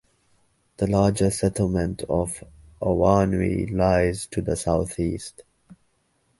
The larger settlement of Awanui lies to the southeast.